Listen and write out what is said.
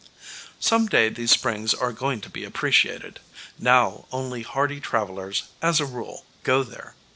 Some day these springs are going to be appreciated. Now only hardy travelers, as a rule, go there.